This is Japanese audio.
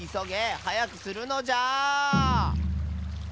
はやくするのじゃ！